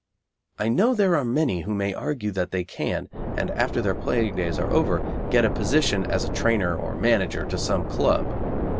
I know there are many who may argue that they can, after their playing days are over, get a position as trainer or manager to some club.